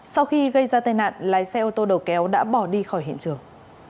sau khi gây ra tai nạn lái xe ô tô đầu kéo đã bỏ đi khỏi hiện trường